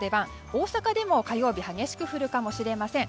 大阪でも火曜日激しく降るかもしれません。